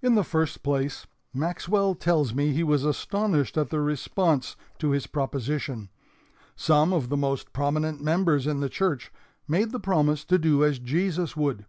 "In the first place, Maxwell tells me he was astonished at the response to his proposition. Some of the most prominent members in the church made the promise to do as Jesus would.